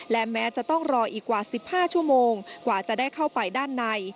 และแม้จะต้องรออีกกว่า๑๕ชั่วโมงกว่าจะได้เข้าไปด้านใน